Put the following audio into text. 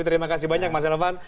terima kasih banyak mas elvan